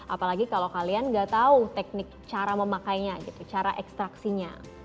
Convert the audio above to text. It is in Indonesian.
apalagi kalau kalian nggak tahu teknik cara memakainya gitu cara ekstraksinya